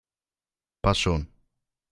Passt schon!